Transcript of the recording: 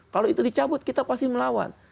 kalau itu dicabut kita pasti melawan